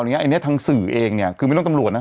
อย่างนี้ทางสื่อเองคือไม่ต้องตำรวจนะ